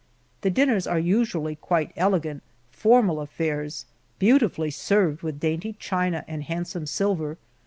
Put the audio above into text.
The dinners are usually quite elegant, formal affairs, beautifully served with dainty china and handsome silver.